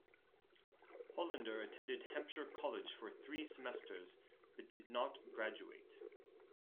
Hollender attended Hampshire College for three semesters but did not graduate.